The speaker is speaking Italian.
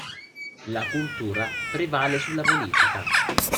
La cultura prevale sulla politica.